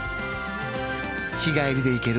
日帰りで行ける